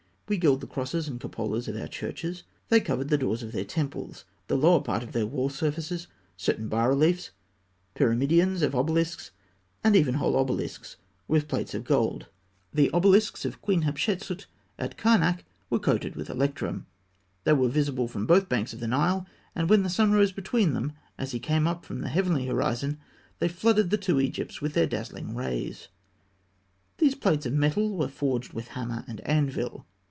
We gild the crosses and cupolas of our churches; they covered the doors of their temples, the lower part of their wall surfaces, certain bas reliefs, pyramidions of obelisks, and even whole obelisks, with plates of gold. The obelisks of Queen Hatshepsût at Karnak were coated with electrum. "They were visible from both banks of the Nile, and when the sun rose between them as he came up from the heavenly horizon, they flooded the two Egypts with their dazzling rays." These plates of metal were forged with hammer and anvil.